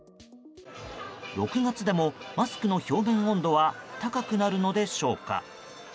６月でも、マスクの表面温度は高くなるのでしょうか？